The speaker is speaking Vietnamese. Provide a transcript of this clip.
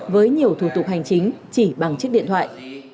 với nhiều thủ tục hành chính chỉ bằng chiếc điện thoại